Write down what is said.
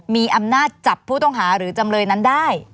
มีอำนาจจับผู้ต้องหาหรือจำเลยนั้นได้